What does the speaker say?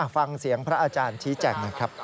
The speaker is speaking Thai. ฟังเสียงพระอาจารย์ชี้แจงหน่อยครับ